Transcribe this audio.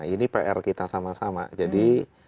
ini pr kita sama sama jadi